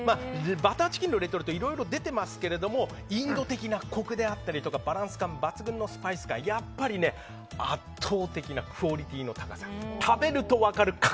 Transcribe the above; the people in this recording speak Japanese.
バターチキンのレトルトいろいろ出ていますがインド的なコクであったりバランス感抜群のスパイスが圧倒的なクオリティーの高さ。